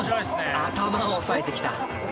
頭を押さえてきた。